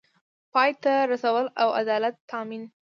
پای ته رسول او د عدالت تامین